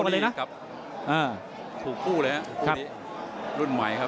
มวยของเรานี่ครับถูกคู่เลยครับรุ่นใหม่ครับ